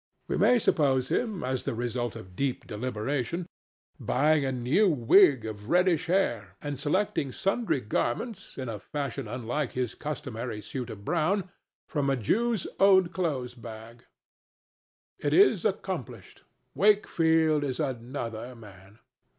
We may suppose him, as the result of deep deliberation, buying a new wig of reddish hair and selecting sundry garments, in a fashion unlike his customary suit of brown, from a Jew's old clothes bag. It is accomplished: Wakefield is another man.